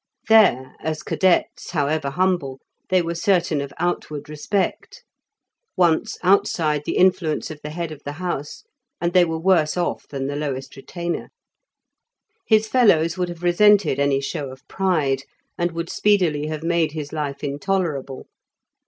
There as cadets, however humble, they were certain of outward respect: once outside the influence of the head of the house, and they were worse off than the lowest retainer. His fellows would have resented any show of pride, and would speedily have made his life intolerable.